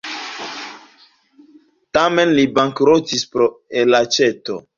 Tamen li bankrotis pro elaĉeto.